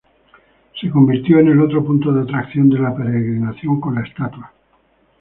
Se convirtió en el otro punto de atracción de la peregrinación con la estatua.